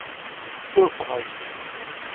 Ssurfeɣ-ak.